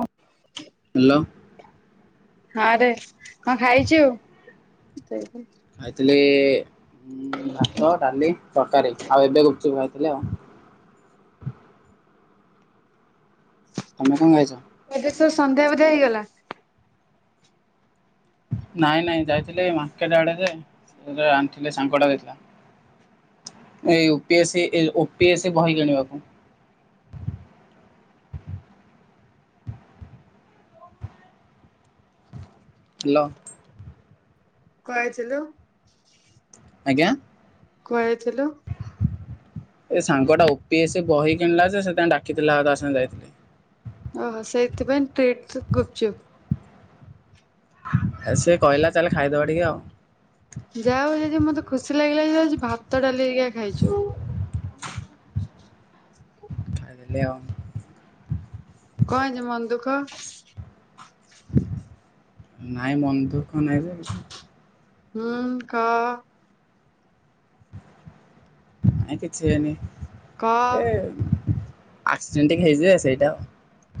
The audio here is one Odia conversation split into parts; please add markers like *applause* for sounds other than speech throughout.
ହଁ ହାଲୋ। ହଁ ରେ କଁ ଖାଇଛୁ। ମୁଁ ଖାଇଥିଲି ଉ ଭାତ ଡାଲି ତକାରୀ ଆଉ ଏବେ ଗଛ ଖାଇଥିଲି ଆଉ। ତମେ କଁ ଖାଇଛ। ଏବେ ସେ ସନ୍ଧ୍ୟା ଭଜା ହେଇଗଲା। ନାଇଁ ନାଇଁ ଯାଇଥିଲି ମାର୍କେଟ ଆଡେ ଯେ ଆଣିଥିଲେ ସାଙ୍ଗଟା ଦେଇଥିଲା। ଏଇ ୟୁ ପି ଏସି ଏ ଓ ପି ଏସି ବହି କିଣିବାକୁ। ହାଲୋ। କୁଆଡେ ଯାଇଥିଲୁ। ଆଜ୍ଞା। କୁଆଡେ ଯାଇଥିଲୁ। ଏ ସାଙ୍ଗଟା ଓ ପି ଏସି ବହି କିଣିଲା ଯେ ସେଇଥି ପାଇଁ ଡାକିଥିଲା ଆଉ ତା ଆ ସାଙ୍ଗରେ ଯାଇଥିଲି ଓହୋ ସେଇଥିପାଇଁ ଟ୍ରିଟ୍ ଗୁପଚୁପ୍। ଏ ସେ କହିଲା ଚାଲେ ଖାଇଦବା ଟିକେ ଆଉ। ଯାହା ହଉ ଯେ ଆଜି ମତେ ଖୁସି ଲାଗିଲା ଯେ ତୁ ଆଜି ଭାତ ଡାଲିି ଅକା ଖାଇଛୁ। ଖାଇଦେଲି ଆଉ। କଣ ହେଇଚି ମନ ଦୁଃଖ। ନାଇଁ ମନ ଦୁଃଖ ନାହିଁ ଯେ କିଛି। ହୁଁ କା। ନାଇଁ କିଛି ହେଇନି କ ଏ ଆକ୍ସିଡେଣ୍ଟ ଟିକେ ହେଇଚି ଯେ ସେଇଟା।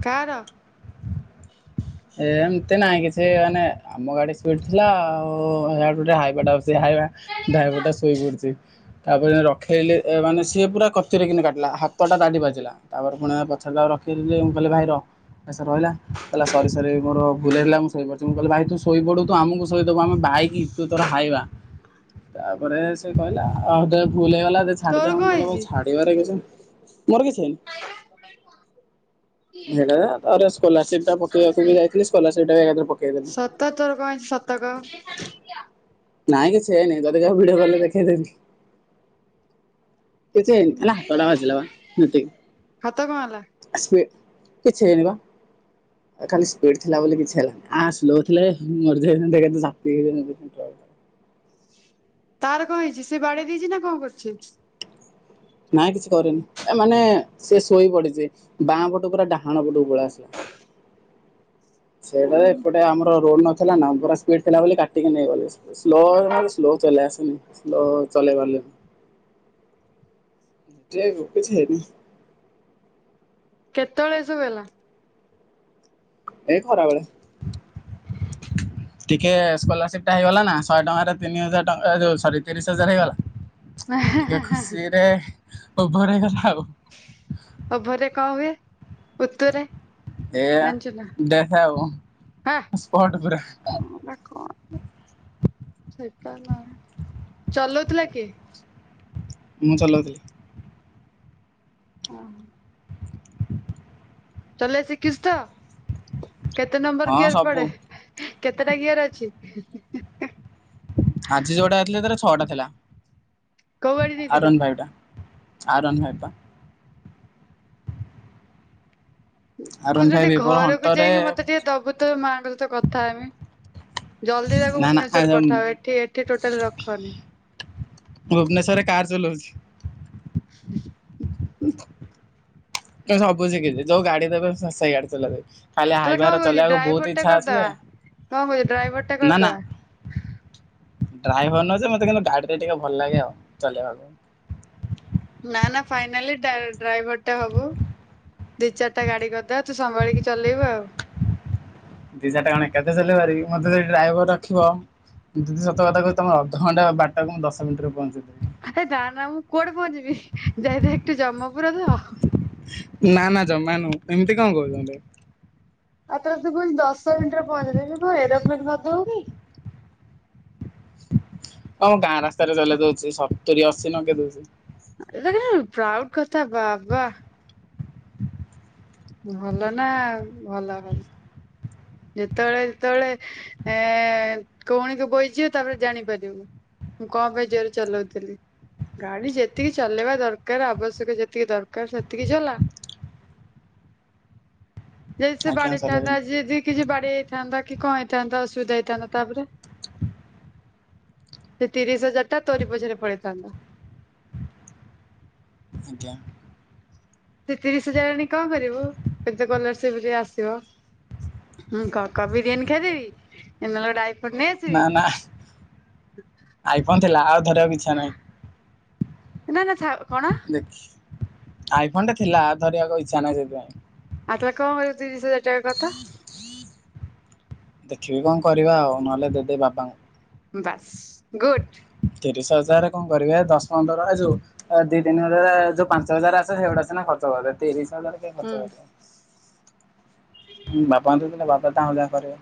କାର। ଏ ଏମତି ନାଇଁ କିଛି ମାନେ ଆମ ଗାଡି ସ୍ପିଡ ଥିଲା ଆଉ ଆଗରୁ ଟେ ହାଇବାଟା ଆସୁ ସୋ ହାଇବା ଡ୍ରାଇଭର ଟା ଶୋଇ ପଡିଛି। ତାପରେ ଯେଁତି ରଖେଇଲି ମାନେ ସିଏ ପୁରା କଚରେ କିନି କାଟିଲା ହାତଟା ତାଠି ବାଜିଲା। ତାପରେ ପୁଣି ପଛରେ ତାକୁ ରଖେଇଲି ଯେ ମୁଁ କହିଲି ଭାଇ ରହ ସେ ରହିଲା କହିଲା ସ ସରି ସରି ମୋର ଭୁଲ ହେଇଗଲା ମୁଁ ଶୋଇ ପଡିଛି ମୁଁ କହିଲି ଭାଇ ତୁ ଶୋଇପଡିବୁ ତୁ ଆମକୁ ଶୋଇଦବୁ ଆମେ ବାଇକି ତୁ ତୋର ହାଇବା। ତାପରେ ସେ କହିଲା ହଉ ଦେ ଭୁଲ ହେଇଗଲା ଦେ ଛା ତୋର ଛାଡ଼ିଦେ ମୁଁ କଣ କହିଲି ହେଇଛି? ଭାଇ ଛାଡିବାର କିଛି ମୋର କିଛି ହେଇନି। ଏଇଆ ତାପରେ ସ୍କଲାରସିପ୍ ଟା ପକବାକୁ ବି ଯାଇଥିଲ ସ୍ଲଲାରସିପ୍ ଟା ବି ଆଉ ଆ ଧିଏରେ ପକେଇ ପାରିନି। ତ ତୋର କଁ ହେଇଚି ସତ କ। ନାଇଁ କିଛି ହେଇନି ଯଦି କହିବୁ ଭିଡିଓ କଲ୍ ରେ ଦେଖେଇ ଦେବି। କିଛି ହେଇନି ଖାଲି ହାତ ଟା ବାଜି ଲା ବା ହାତ କଣ ହେଲା? ସେତିକି। ସିଏ କିଛ ହେଇନି ବା। ଏ ଖାଲି ସ୍ପିଡ ଥିଲା ବୋଲି କିଛି ହେଲାନି ଆ ସ୍ଲୋ ଥିଲେ ମରି ଯାଇଥାନ୍ତି ଏକାଥରେ ଚାପି ହେଇ ଯାଇଥାନ୍ତି ମୋ ଉପରେ ଟ ତାର କଁ ହେଇଛି ସିଏ ବାଡେଇ ଦେଇଛି ନା କଁ କରିଛି। ନାଇଁ କିଛି କରିନି। ଏ ମାନେ ସେ ଶୋଇ ପଡିଛି। ବାଁ ପଟୁ ପୁରା ଡାହାଣ ପଟୁକୁ ଗୋଳା ଆସିଲା। *inaudible* ସେଇଟାରେ ଏପଟେ ଆମର ରୋଡ ନଥିଲା ନା *unintelligible* ସ୍ପିଡ଼୍ ଥିଲା ବୋଲି କାଟିକି ନେଇଗଲି। ସ୍ଲୋ ମୋର ସ୍ଲୋ ଚଲେଇ ଆସେନି ସ୍ଲୋ ଚଲେଇ ପାରିଲିନି। *unintelligible* କେତେବେଳେ ଏ ସବୁ ହେଲା? ଏ ଖରାବେଳେ। *inaudible* ଟିକେ ସ୍କଲାରସିପଟା ହେଇଗଲା ନା ଶହେ ଟଙ୍କାରେ ତିନି ହଜାର ଟଙ୍କା ସରି ତିରିଶ ହଜାର ହେଇଗଲା। ଟିକେ ଖୁସିରେ ଓଭର ହେଇଗଲା ଆଉ। ଓଭରରେ କଣ ହୁଏ ଉତ୍ତୁରେ। ଏଆ ଜାଣିଛୁ ନା? ଦେଖେଉ ହା ସ୍ପଟ ପୁରା। *unintelligible* *inaudible* ଚଲଉଥିଲା କିଏ? ମୁଁ ଚଲଉଥିଲି। ହଁ। ଚଲେଇଆ ଶିଖିଚୁ ତ, କେତେ ନମ୍ବର ହଁ ଗିଅର ସବୁ ପଡେ? କେତେଟା ଗିଅର ଅଛି। ଆଜି ଯୋଉଟା ଥିଲା ତାର ଛଅଟା ଥିଲା କୋଉ ଗାଡି ଆର ନେଇଥିଲୁ? ୱାନ ଫାଇପଟା। ଆରୱାନ ପାଇପ ବା। କୋଉ ଆରନ୍ ଦିନ ଫାଇଭ୍ ଟିକେ ଏବେର ଘରକୁ ହଣ୍ଟରେ ଯାଇକି ମତେ ଟିକେ ଦବୁ ତ ମାଙ୍କ ସହିତ କଥାହେମି ଜଲଦି ତାକୁ ନା ନା ଭୁବନେଶ୍ଵର ପଠାଅ ଏଠି ଏଠି ଟୋଟାଲ ରଖନି। ଭୁବନେଶ୍ୱରରେ କାର୍ ଚଲଉଛି। *unintelligible* ମୁଁ ସବୁ ଶିଖିଛି ଯୋଉ ଗାଡି ଦେବେ ସେଇ ଗାଡ଼ି ଚଲାଇଦେବି। ଖାଲି ତାହେଲେ କଣ ହାଇଭାରା କହୁଛି ଚଲେଇବାକୁ ଡ୍ରାଇଭର ବହୁତ ଟା ଇଚ୍ଛା ଅଛି ଯେ, କରିଦବା। କଣ କହୁଛୁ ଡ୍ରାଇଭର ଟା ନା ନା କରିଦବା। ଡ୍ରାଇଭର ନୁହଁ ଯେ ମୋତେ କିନ୍ତୁ ଗାଡିରେ ଟିକେ ଭଲ ଲାଗେ ଆଉ ଚଲେଇବାକୁ। ନା ନା ଫାଇନାଲି ଡ୍ରାଇ ଡ୍ରାଇଭରଟା ହବୁ। ଦି ଚାରଟା ଗାଡି କରିଦବା ତୁ ସମ୍ଭାଳିକି ଚଲେଇବୁ ଆଉ। ଦି ଚାରଟା କଣ ଏକାଥରକେ ଚଲେଇ ପାରିବି ମୋତେ ଯଦି ଡ୍ରାଇଭର ରଖିବ *unintelligible* ସତ କଥା କହୁଛି ତମ ଅଧଘଣ୍ଟା ବାଟାକୁ ମୁଁ ଦଶ ମିନିଟରେ ପହଞ୍ଚାଇଦେବି। ଆ ନା ନା ମୁଁ କୁଆଡେ ପହଞ୍ଚିବି ଡାଇରେକ୍ଟ ଯମପୁର ତ। ନା ନା ଜମାନୁହଁ ଏମିତି କଣ କହୁଛନ୍ତି। ଆଉ ତାର ସେ କହୁଛି ଦଶ ମିନିଟ ରେ ପହଞ୍ଚେଇଦେବି ତୁ କଣ ଏରୋପ୍ଲେନ କରିଦବୁ କି। ହଁ ମୁଁ ଗାଁ ରାସ୍ତାରେ ଚଲେଇ ଦଉଛି ସତୁରି ଅଶୀ ନଗେଇ ଦଉଛି। *unintelligible* ପ୍ରାଉଡ କଥା ବାବା। ଭଲ ନା ଆଉ ଭଲ ଭଲ। ଯେତେବେଳେ ଯେତେବେଳେ ଏ କଉଣିକ ବହିଯିବ ତାପରେ ଜାଣିପାରିବୁ। ମୁଁ କଣ ପାଇଁ ଜୋରରେ ଚଲଉଥିଲି। ଗାଡି ଯେତିକି ଚଲେଇବା ଦରକାର ଆବଶ୍ୟକ ଯେତିକି ଦରକାର ସେତିକି ଚଲା। *inaudible* ଯଦି ସେ ଆଜ୍ଞା ଆଉ ବାଡେଇଥାନ୍ତା, ଚଲେଇବେନି ଯଦି କିଛି ବାଡେଇ ହେଇଥାନ୍ତା କି କଣ ହେଇଥାନ୍ତା, ଅସୁବିଧା ହେଇଥାନ୍ତା ତାପରେ। *unintelligible* ସେ ତିରିଶ ହଜାର ଟା ତୋରି ପଛରେ ପଳେଇଥାନ୍ତା। ଆଜ୍ଞା। ସେ ତିରିଶ ହଜାର ଆଣି କଣ କରିବୁ କେତେ ସ୍କଲରସିପ ରେ ଆସିବ? ହୁଁ କ-କ ବିରିୟାନୀ ଆଣି ଖାଇଦେବି ନହେଲେ ଗୋଟେ ଆଇ ନା ନା ଆଇଫୋନ ଥିଲା ଆଉ ଧରିବାକୁ ଇଛା ନାହିଁ। ନା ନା ଥାଉ। କଣ ଦେଖ ଆଇଫୋନ ଟା ଥିଲା ଆଉ ଧରିବାକୁ ଇଚ୍ଛା ନାହିଁ ସେଥିପାଇଁ। ଆଉ ତାହାଲେ କଣ କରିବୁ ତିରିଶ ହଜାର ଟଙ୍କା କହ ତ? ଦେଖିବି କଣ କରିବା ଆଉ ନହେଲେ ଦେଇ ଦେବି ବାପାଙ୍କୁ। ବାସ୍ ଗୁଡ଼୍। ତିରିଶ ହଜାର କଣ କରିବେ ଦଶ ପନ୍ଦର ଯୋଉ ଦି ତିନି ହଜାର ଯୋଉ ପାଞ୍ଚ ହଜାର ଆସେ ସେଗୁଡା ସେନା ଖର୍ଚ୍ଚ କରି ତିରିଶ ହଜାର କିଏ ହୁଁ ଖର୍ଚ୍ଚ କରିବ। ବାପାଙ୍କୁ ଦେବିନା ବାପା ତାଙ୍କର ଯାହା କରିବେ।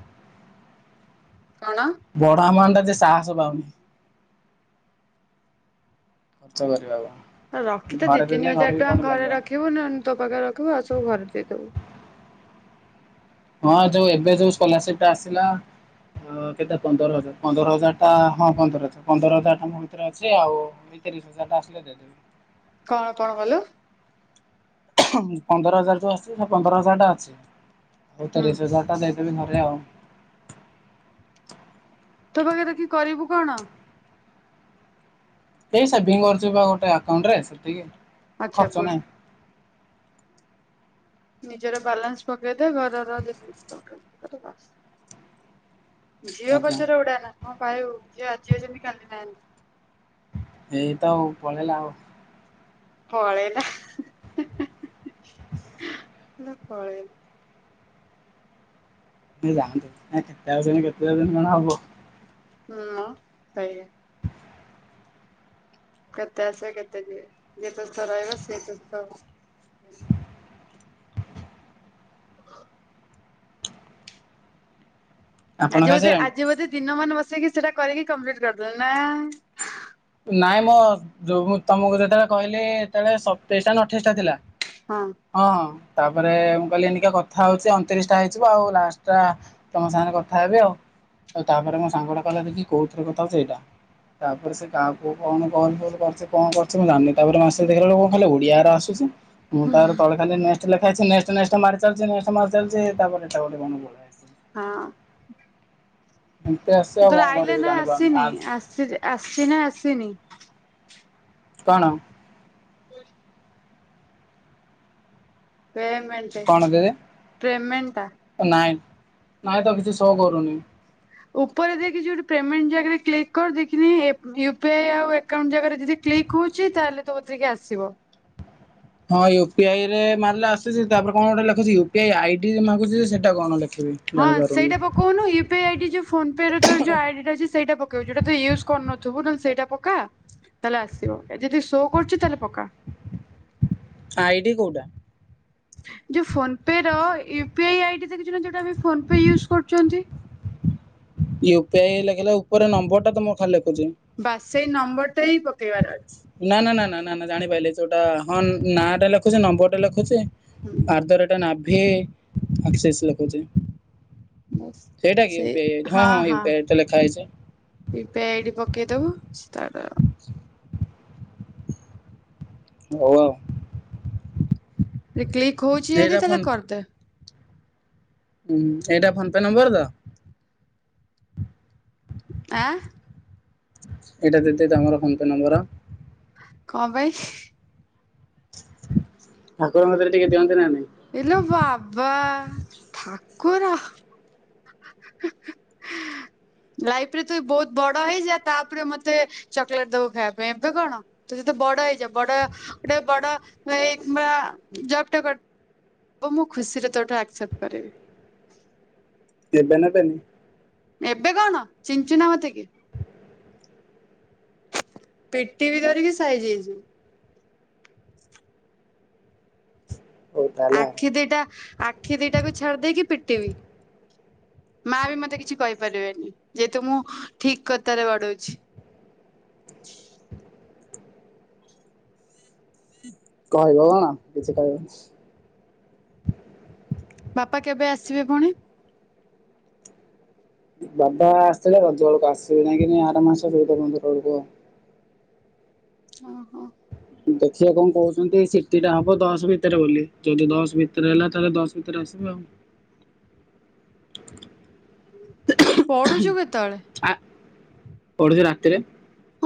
କଣ? ବଡ ଆମାଉଣ୍ଟ ଟା ଟିକେ ସାହାସ ପାଉନି। ଖର୍ଚ୍ଚ କରିବାକୁ। ରଖିଥା ଦି ଘରେ ତିନି ରହିଲେ ଘରେ ହଜାର ବି କଣ ଟଙ୍କା ଘରେ ଲାଗିବ ରଖିବୁ ନହେଲେ ତୋ ପାଖରେ ରଖିବୁ ଆଉ ସବୁ ଘରେ ଦେଇଦବୁ। ହଁ ଯୋଉ ଏବେ ଯୋଉ ସ୍କଲାରସିପ ଟା ଆସିଲା କେତେ ପନ୍ଦର ହଜାର, ପନ୍ଦର ହଜାର ଟା ହଁ ପନ୍ଦର ହଜାର ପନ୍ଦର ହଜାର ଟା ମ କତିରେ ଅଛି ଆଉ ଏଇ ତିରିଶି ହଜାର ଟା ଆସିଲେ ଦେଇ ଦେବି। କଣ କଣ କଲୁ? ପନ୍ଦର ହଜାର ଯୋଉ ଆସଛି ସେ ପନ୍ଦର ହଜାର ଟା ଅଛି। ଆଉ ହୁଁ ତିରିଶ ହଜାର ଟା ଦେଇଦେବି ଘରେ ଆଉ। ତୋ ପାଖରେ ରଖିକି କରିବୁ କଣ? ଏଇ ସେଭିଙ୍ଗ କରୁଚି ପା ଗୋଟେ ଆକାଉଣ୍ଟ ରେ ସେତିକି। ଆଚ୍ଛା ଖର୍ଚ୍ଚ ନାହିଁ ଗୁଡ଼୍। ନିଜର ବାଲାନ୍ସ ପକେଇଦେ ଘରର ଯେତିକି। *unintelligible* ଝିଅ ଆଜ୍ଞା ପଛରେ ଉଡାନା କଣ ପାଇବୁ, ଝିଅ ଆଜି ଅଛନ୍ତି କାଲି ନାହାନ୍ତି। ଏଇତ ଆଉ ପଳେଇଲା ଆଉ। ପଳେଇଲା, କହିଲା ପଳେଇଲା। ଯାଆନ୍ତୁ ନା କେତେ ଆଉଚନ୍ତି କେତେ ଯାଉଚନ୍ତି କଣ ହବ। ହୁଁ ସେଇଆ। କେତେ ଆସିବେ କେତେ ଯିବେ। ଯିଏ ତୋ ସହିତ ରହିବ ସେ ତୋତେ ତ *inaudible* ଆପଣ ଆଜି ବୋଧେ ଖାଇସାରିଲେଣି? ଆଜି ବୋଧେ ଦିନ ମାନ ବସିକି ସେଟା କରିକି କମ୍ପ୍ଲିଟ କରିଦେଲେ ନା? ନାଇଁ ମୋଁ ତମକୁ ଯେତେବେଳେ କହିଲି ସେତେବେଳେ ସତେଇଶଟା ଅଠେଇଶ ଟା ଥିଲା ହଁ। ହଁ ହଁ ତାପରେ ମୁଁ କହିଲି ଏଇନିକା କଥା ହଉଛି ଅଣତିରିଶ ଟା ହେଇଯିବ ଆଉ ଲାଷ୍ଟ ଟା ତମ ସାଙ୍ଗରେ କଥା ହେବି ଆଉ। ତାପରେ ମୋ ସାଙ୍ଗଟା କହିଲା ବିକି କୋଉଥିରେ କଥା ହଉଛୁ ସେଇଟା। ତାପରେ ସେ କାହାକୁ କଣ କଲ୍-ଫଲ୍ କରିଛି କଣ କରୁଛି ମୁଁ ଜାଣିନି। ତାପରେ ମୁଁ ଆସିବି ଦେଖିଲାବେଳକୁ କଣ ଖାଲି ଓଡ଼ିଆ ରା ଆସୁଛି ମୁଁ ତାପରେ ତଳେ ଖାଲି ନେଷ୍ଟ ଲେଖା ହୋଇଛି ନେଷ୍ଟ, ନେଷ୍ଟ ମାରିଚାଲିଛି ନେଷ୍ଟ ମାଡିଚାଲିଛି ତାପରେ ଏଟା ଗୋଟେ କଣ ପଳେଇ ଆସିଲା। ହଁ। ଏମିତି ଆସୁଛି ଆଉ ତୋର କଣ ଆଇଲା କରିବି ନା ଜାଣିପାରୁନି ଆସିନି ଆ ଆସି ଆସିଚି ନା ଆସିନି? କଣ? ପେମେଣ୍ଟ। କଣ ପେମେଣ୍ଟ ଟା ଦିଦି ନାଇଁ ନାଇଁ ତ କିଛି ଶୋ କରୁନି। ଉପରେ ଦେଖେ ଯୋଉଠି ପେମେଣ୍ଟ ଜାଗାରେ କ୍ଲିକ କର ଦେଖିନି ଏପ୍ ୟୁ ପି ଆଇ ଆଉ ଏ ଆକାଉଣ୍ଟ ଜାଗାରେ ଯଦି କ୍ଲିକ୍ ହଉଚି ତାହେଲେ ତୋ କତିକି ଆସିବ। ହଁ ୟୁ ପି ଆଇ ରେ ମାରେଲେ ଆସୁଛି ତାପରେ କଣ ଗୋଟେ ଲେଖୁଛି U P I I D ମାଗୁଛି ସେଇଟା କଣ ଲେଖିବି? ହଁ ଜାଣିପାରୁନି ସେଇଟା ପକଉନୁ U U P I D ଯୋଉ ଫୋନ ପେ ରେ ତୋର ଯୋଉ ଆଇ ଡି ରହିଛି ସେଇଟା ପକଉଚୁ ଯୋ ଟା ତୁ ୟୁଉଜ କରିନଥିବୁ ନ ହେନେ ସେଇଟା ପକା। ତା ହେଲେ ଆସିବ ଯଦି ସୋ କରୁଚି ତାହେଲେ ପକା। ଆଇଡି କୋଉଟା? ଯୋଉ ଫୋନ ପେ ର ୟୁ ପି ଆଇ ଆଇଡି ଦେ ଯୋଉଟା ଫୋନ ପେ ୟୁଉଜ କରୁଚନ୍ତି। ୟୁ ପି ଆଇ ଲେଖିଲା ଉପରେ ନମ୍ବର ଟା ତ ମୋର ଖାଲି ଲେଖୁଛି। ବାସ୍ ସେଇ ନମ୍ବରଟା ଇ ପକେଇବାର ଅଛି। ନା ନା ନା ନା ନା ନା ଜାଣିପାଇଲି ଯୋଉଟା ହଁ ନାଁ ଟା ଲେଖୁଛି ନମ୍ବରଟା ଲେଖୁଛି। ହୁଁ ଆର୍ଦରଟା ନାଭି ସେସ ଲେଖୁଛି। ବାସ୍ ଏଇଟା କି ୟୁ ସେଇ ପି ଆଇ ହଁ ହଁ ୟୁ ପି ଆଇ ତ ଲେଖା ହେଇଛି। ୟୁ ପି ଆଇଡି ପକେଇଦବୁ ସେ ତାର। ଓ ଆଉ। କ୍ଲିକ୍ ହଉଛି ଆଦି ଏଇଟା ତାହେଲେ ଫୋନ କରିଦେ। ହୁଁ ଏଇଟା ଫୋନ ପେ ନମ୍ବର ତ? ଆଁ। ଏଇଟା ଦିଦି ତମର ଫୋନ ପେ ନମ୍ବର। କଁ ପାଇଁ? ଠାକୁରଙ୍କ ତିରେ ଟିକେ ଦିଅନ୍ତି ନା ନାଇଁ। ଇଲୋ ବାବା ଠାକୁର। *inaudible* ଲାଇଫ ରେ ତୁ ବହୁତ ବଡ ହେଇଯା ତାପରେ ମତେ ଚକୋଲେଟ ଦବୁ ଖାଇବା ପାଇଁ ଏବେ କଣ? ତୁ ଯ ତେ ବଡ ହେଇଯା ବଡ ଗୋଟେ ବଡ ଏ ବା ଜବ୍ ଟେ କ ବ ମୁଁ ଖୁସିରେ ତୋଟୁ ଆକ୍ସେପ୍ଟ କରିବି। କେବେ ନା ପେମି। ଏବେ କଣ ଚିଞ୍ଚୁନା ମତେ କିଏ? ପିଟିବି ଧରିକି ସାଇଯି ହେଇଯିବୁ। ହଉ ତାହେଲେ ଆଉ। ଆଖି ଦିଟା ଆଖି ଦିଟାକୁ ଛାଡି ଦେଇକି ପିଟିବି। ମା ବି ମତେ କିଛି କହିପାରିବେନି ଯେହେତୁ ମୁଁ ଠିକ୍ କଥାରେ ବଡ଼ଉଛି। *inaudible* କହିବ ନା କିଛି କହିବନ। ବାପା କେବେ ଆସିବେ ପୁଣି? ବାବା ଆସିଥିଲେ ରଜ ବେଳକୁ ଆସିବେ ନାଇଁ ଆର ମାସକୁ ଦୁଇ ତିନି ତାରିଖ ବେଳକୁ। ହଁ ହଁ। ଦେଖିବା କଣ କହୁଛନ୍ତି ସିଟି ଟା ହବ ଦଶ ଭିତରେ ବୋଲି ଯଦି ଦଶ ଭିତରେ ହେଲା ତାହେଲେ ଦଶ ଭିତରେ ଆସିବେ ଆଉ। ପଢ଼ୁଚୁ କେତେ ବେଳେ? ଆ ପଢୁଚୁ ରାତିରେ।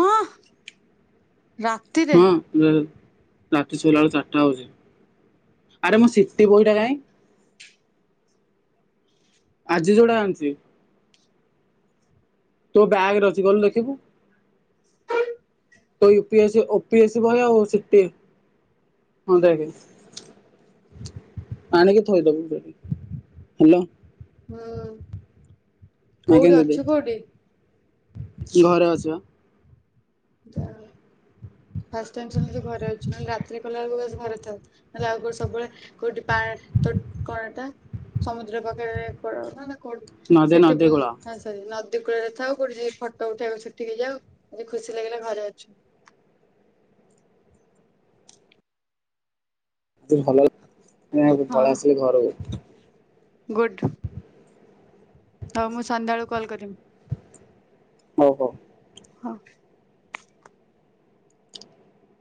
ଙଅ ରାତିରେ। *inaudible* ରାତି ଶୋଇଲା ବେଳୁ ଚାରିଟା ହଉଛି ଆରେ ମୋ ସିଟିି ବହିଟା କାହିଁ? ଆଜି ଯୋଉଟା ଆଣିଚି। ତୋ ବ୍ୟାଗ ରେ ଅଛି ଗଲୁ ଦେଖିବୁ। ତ U P S O P S C ବହି ଆଉ ସେତେ ହଁ ଦେଖେନା। ଆଣିକି ଥୋଇଦେଲ ଦେବି ହେଲା। ହୁଁ, ଆଜ୍ଞା କୋଉଠି ଦିଦି ଅଛୁ କୋଉଠି? ଘରେ ଅଛି ବା। ଯା ଫାଷ୍ଟ ଟାଇମ୍ ଶୁଣିଲେ ଯେ ଘରେ ଅଛି। ନହେଲେ ରାତିରେ କଲା ବେଳକୁ *unintelligible* ଘରେ ଥାଉ। ନହେଲେ ଆଉ କୋଉ ସବୁବେଳେ କୋଉଠି ପା- ତ କଣ ଟା। ସମୁଦ୍ର ପାଖରେ କୂଳ ନା ନା କୋଉଠି ନଦେ ସେଠି ନଦୀ ବୁଲ କୂଳ। ହଁ ସେଠି ନଦୀ କୂଳ ରେ ଥାଉ କୋଉଠି ଯି ଫଟୋ ଉଠେଇବାକୁ ସେଠିକି ଯାଉ ଆଜି ଖୁସି ଲାଗିଲା ଘରେ ଅଛୁ। ଦିନ ଭଲ ମୁଁ ଆଜି ପଳିଆସିଲି ଘରକୁ। ଗୁଡ଼୍। ହଉ ମୁଁ ସନ୍ଧ୍ୟାବେଳୁ କଲ୍ କରିମି। ହଉ ହଉ। ହଁ।